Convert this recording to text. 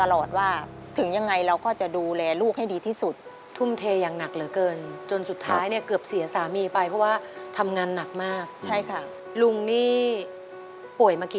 ลุงนี่ป่วยมากี่ปีแล้วนะคะป้า